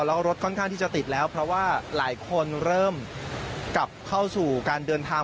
แล้วรถค่อนข้างที่จะติดแล้วเพราะว่าหลายคนเริ่มกลับเข้าสู่การเดินทาง